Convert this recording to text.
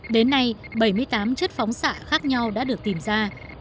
đến nay bảy mươi tám chất phóng xạ khác nhau đã được tìm ra